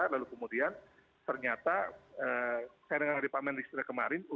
lalu kemudian ternyata saya dengar dari pak mendik kemarin